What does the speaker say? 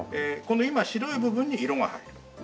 今白い部分に色が入る。